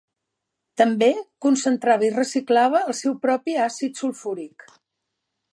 També concentrava i reciclava el seu propi àcid sulfúric.